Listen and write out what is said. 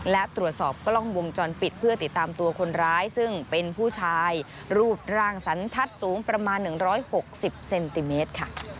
และตรวจสอบกล้องวงจรปิดเพื่อติดตามตัวคนร้ายซึ่งเป็นผู้ชายรูปร่างสันทัศน์สูงประมาณ๑๖๐เซนติเมตรค่ะ